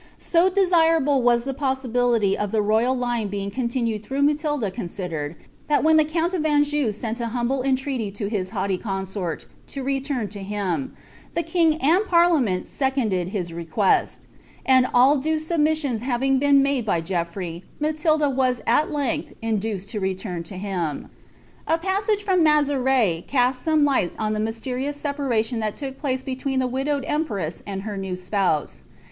So desirable was the possibility of the royal line being continued through Matilda considered, that when the count of Anjou sent an humble entreaty to his haughty consort to return to him, the king and parliament seconded his request ; and all due submissions having been made by Geofiirey, Matilda was at length induced to return to him.' A passage from Mezerai casts some light on the mysterious separation that took place between the widowed empress and her new spouse.